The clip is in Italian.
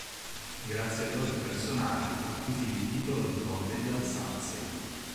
Grazie a doti personali acquisì il titolo di Conte di Alsazia.